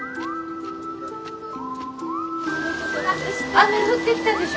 雨降ってきたでしょ。